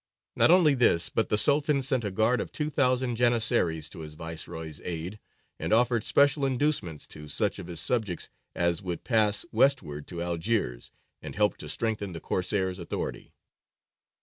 Not only this, but the Sultan sent a guard of two thousand Janissaries to his viceroy's aid, and offered special inducements to such of his subjects as would pass westward to Algiers and help to strengthen the Corsair's authority.